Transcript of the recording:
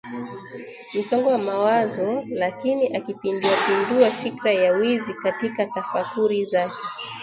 msongo wa mawazo lakini akiipinduapindua fikra ya wizi katika tafakuri zake